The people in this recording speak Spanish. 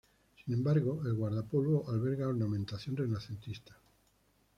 Sin embargo el guardapolvo alberga ornamentación renacentista.